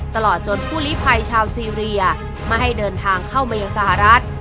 ตลอดจนผู้ลิภัยชาวซีเรียไม่ให้เดินทางเข้ามายังสหรัฐ